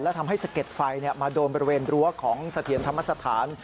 และทำให้สะเก็ดไฟมาโดนบริเวณรั้วของเสถียรธรรมสถาน